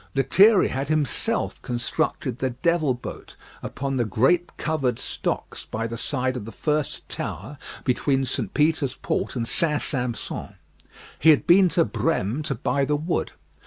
Lethierry had himself constructed the "Devil Boat" upon the great covered stocks by the side of the first tower between St. Peter's Port and St. Sampson. He had been to Brême to buy the wood.